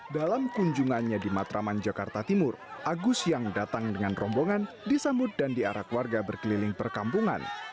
dalam kunjungannya di matraman jakarta timur agus yang datang dengan rombongan disambut dan diarak warga berkeliling perkampungan